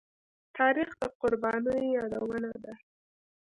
تاریخ د قربانيو يادونه ده.